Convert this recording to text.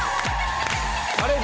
あれ？